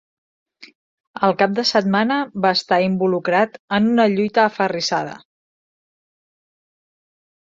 El cap de setmana va estar involucrat en una lluita aferrissada.